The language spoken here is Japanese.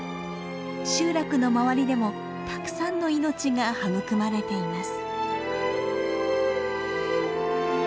集落の周りでもたくさんの命が育まれています。